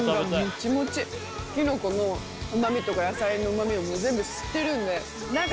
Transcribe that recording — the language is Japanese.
キノコのうま味とか野菜のうま味を全部吸ってるんで。